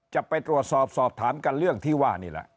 จะไปตรวจสอบสอบถามกันเรื่องที่ว่านี่แหละ